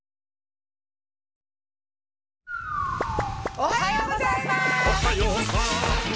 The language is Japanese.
おはようございます！